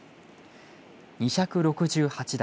２６８段